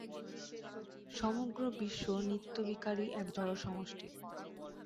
সমগ্র বিশ্ব নিত্যবিকারী এক জড়সমষ্টি।